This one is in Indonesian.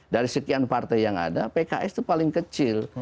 dari sekian partai yang ada pks itu paling kecil